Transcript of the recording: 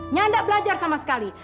nyanda belajar sama sekali